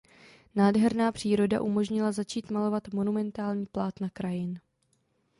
Nádherná příroda umožnila začít malovat monumentální plátna krajin.